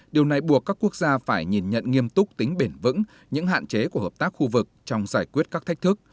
điều này buộc các quốc gia phải nhìn nhận nghiêm túc tính bền vững những hạn chế của hợp tác khu vực trong giải quyết các thách thức